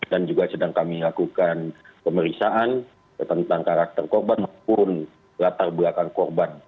dan juga sedang kami lakukan pemeriksaan tentang karakter korban maupun latar belakang korban